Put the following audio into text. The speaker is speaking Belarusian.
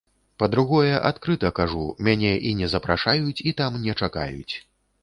Па-другое, адкрыта кажу, мяне і не запрашаюць і там не чакаюць.